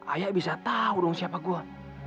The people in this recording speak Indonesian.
ayah bisa tahu dong siapa gue